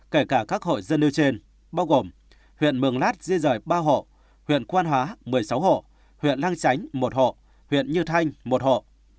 kể cả các hộ dân nêu trên bao gồm huyện mường lát di rời ba hộ huyện quan hóa một mươi sáu hộ huyện lang chánh một hộ huyện như thanh một hộ